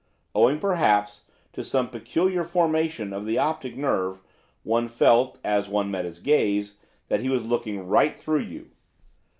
Owing, probably, to some peculiar formation of the optic nerve one felt, as one met his gaze, that he was looking right through you.